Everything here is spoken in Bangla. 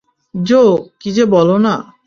জো, কী যে বলো না।